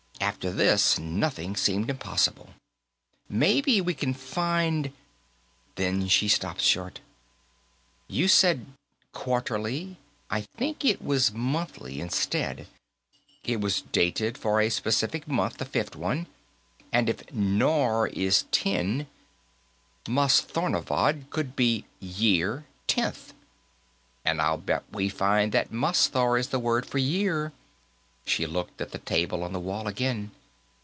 After this, nothing seemed impossible. "Maybe we can find " Then she stopped short. "You said 'Quarterly.' I think it was 'Monthly,' instead. It was dated for a specific month, the fifth one. And if nor is ten, Mastharnorvod could be 'Year Tenth.' And I'll bet we'll find that masthar is the word for year." She looked at the table on the wall again.